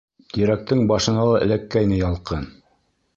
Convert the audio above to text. Тирәктең башына ла эләккәйне ялҡын.